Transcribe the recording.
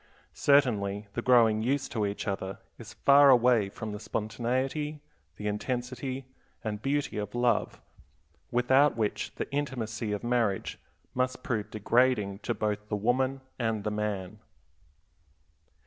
Certainly the growing used to each other is far away from the spontaneity, the intensity, and beauty of love, without which the intimacy of marriage must prove degrading to both the woman and the man.